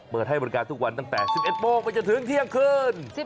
ให้บริการทุกวันตั้งแต่๑๑โมงไปจนถึงเที่ยงคืน